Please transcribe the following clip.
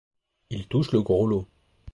Ils touchent le gros lot.